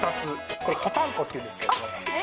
これ、こたんぽっていうんですけど。